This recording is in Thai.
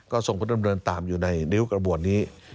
ทรงพระดำเนินตามอยู่ในนิ้วกระบวนนี้